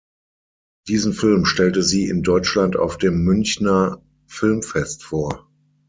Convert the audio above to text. Diesen Film stellte sie in Deutschland auf dem Münchener Filmfest vor.